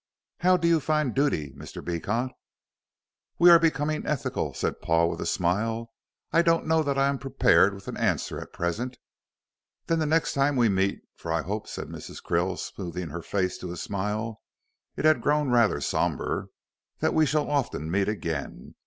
"How do you define duty, Mr. Beecot?" "We are becoming ethical," said Paul, with a smile. "I don't know that I am prepared with an answer at present." "Then the next time we meet. For I hope," said Mrs. Krill, smoothing her face to a smile it had grown rather sombre "that we shall often meet again.